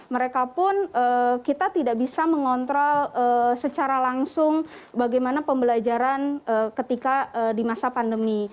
mereka pun kita tidak bisa mengontrol secara langsung bagaimana pembelajaran ketika di masa pandemi